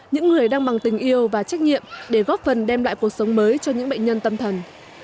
những người đang bằng tình yêu và trách nhiệm để góp phần đem lại cuộc sống mới cho những bệnh nhân tâm thần